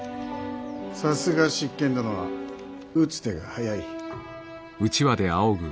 さすが執権殿は打つ手が早い。